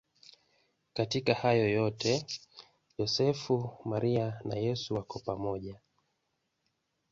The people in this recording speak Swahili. Katika hayo yote Yosefu, Maria na Yesu wako pamoja.